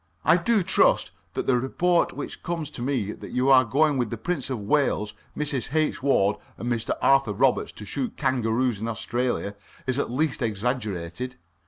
I do trust that the report which comes to me that you are going with the Prince of Wales, Mrs. H. Ward, and a Mr. Arthur Roberts to shoot kangaroos in Australia is at least exaggerated.